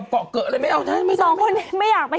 เอาล่ะ